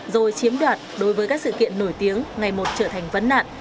rồi chiếm đoạt đối với các sự kiện nổi tiếng ngày một trở thành vấn nạn